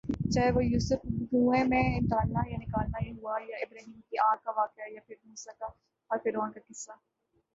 چاہے وہ یوسف ؑ کو کنویں میں ڈالنا یا نکالنا ہوا یا ابراھیمؑ کی آگ کا واقعہ یا پھر موسیؑ کا اور فرعون کا قصہ